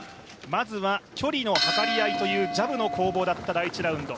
まずは距離のはかり合いというジャブの攻防だった第１ラウンド。